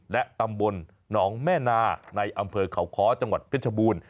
และตำบลหนองแม่นาในอำเภอเขาค้อจังหวัดเพชรบูรณ์